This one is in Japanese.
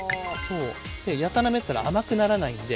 やたらめったら甘くならないんで。